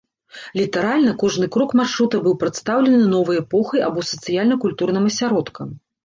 Літаральна кожны крок маршрута быў прадстаўлены новай эпохай або сацыяльна-культурным асяродкам.